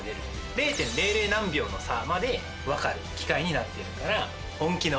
０．００何秒の差まで分かる機械になっているから。